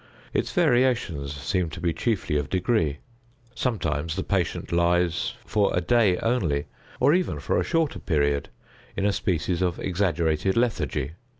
Its variations seem to be chiefly of degree. Sometimes the patient lies, for a day only, or even for a shorter period, in a species of exaggerated lethargy.